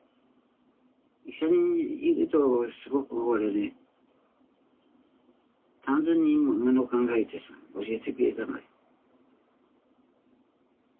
一緒にいるとすごく俺ね単純にもの考えてさ教えてくれたのよ。